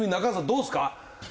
どうですか？